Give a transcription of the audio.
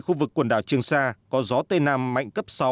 khu vực quần đảo trường sa có gió tây nam mạnh cấp sáu